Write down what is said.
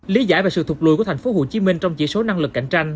lý giải về sự thục lùi của thành phố hồ chí minh trong chỉ số năng lực cạnh tranh